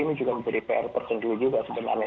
ini juga menjadi pr tersendiri juga sebenarnya